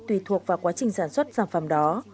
tùy thuộc vào quá trình sản xuất sản phẩm đó